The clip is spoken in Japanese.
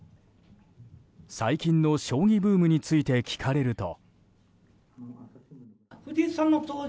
最近の将棋ブームについて聞かれると。